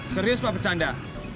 serius pak pecanda